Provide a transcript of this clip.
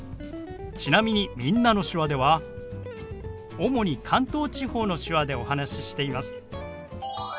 ちなみに「みんなの手話」では主に関東地方の手話でお話ししています。